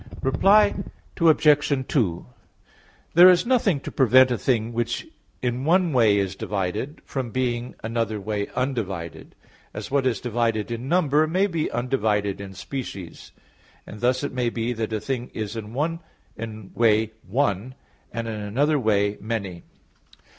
Reply Obj. 2: There is nothing to prevent a thing which in one way is divided, from being another way undivided; as what is divided in number, may be undivided in species; thus it may be that a thing is in one way "one," and in another way "many."